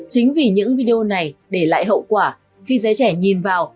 chính vì những video này để lại hậu quả khi giới trẻ nhìn vào